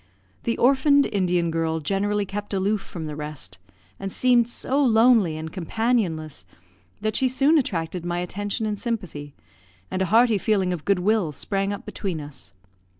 The orphan Indian girl generally kept aloof from the rest, and seemed so lonely and companionless, that she soon attracted my attention and sympathy, and a hearty feeling of good will sprang up between us.